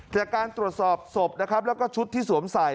จากการตรวจสอบศพนะครับแล้วก็ชุดที่สวมใส่